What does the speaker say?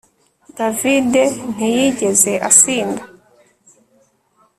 David ntiyigeze asinda